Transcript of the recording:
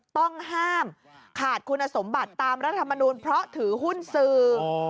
ต้องห้ามขาดคุณสมบัติตามรัฐมนูลเพราะถือหุ้นสื่อ